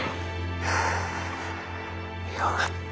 よかった。